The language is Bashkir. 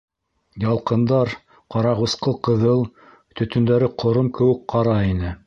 Ялҡындар ҡарағусҡыл ҡыҙыл, төтөндәре ҡором кеүек ҡара ине.